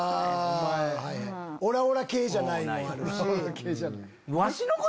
「オラオラ系じゃない人」。